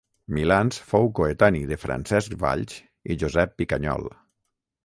Milans fou coetani de Francesc Valls i Josep Picanyol.